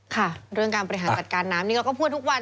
ค่ะเรื่องการบริหารจัดการน้ำนี่เราก็พูดทุกวัน